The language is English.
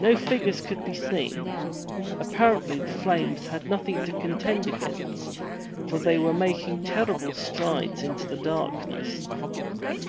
No figures could be seen. Apparently the flames had nothing to contend against, for they were making terrible strides into the darkness.